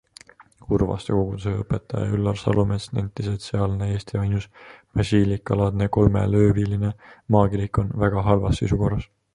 Urvaste koguduse õpetaja Üllar Salumets nentis, et sealne Eesti ainus basiilikalaadne kolmelööviline maakirik on väga halvas seisukorras.